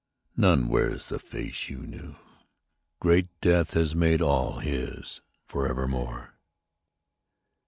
None wears the face you knew. Great death has made all his for evermore.